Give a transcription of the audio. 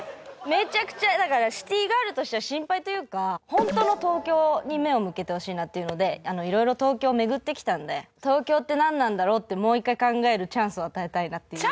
めちゃくちゃだからシティーガールとしては心配というかホントの東京に目を向けてほしいなっていうので色々東京を巡ってきたんで東京ってなんなんだろうってもう一回考えるチャンスを与えたいなっていう。